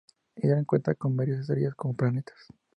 Hidra cuenta con varias estrellas con planetas.